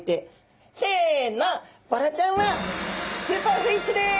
せのボラちゃんはスーパーフィッシュです！